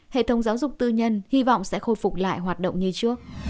hệ thống giáo dục tư nhân hy vọng sẽ khôi phục lại hoạt động như trước